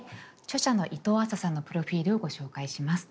著者の伊藤亜紗さんのプロフィールをご紹介します。